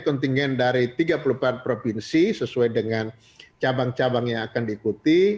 kontingen dari tiga puluh empat provinsi sesuai dengan cabang cabang yang akan diikuti